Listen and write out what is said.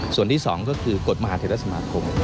ส่วนที่๒ก็คือกฎมหาเทรสมาคม